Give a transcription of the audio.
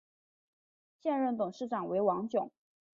现任董事长为王炯。